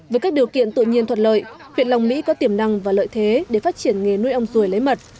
với các điều kiện tự nhiên thuận lợi huyện long mỹ có tiềm năng và lợi thế để phát triển nghề nuôi ong ruồi lấy mật